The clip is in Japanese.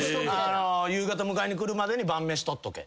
夕方迎えに来るまでに晩飯取っとけ。